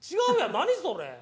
何それ？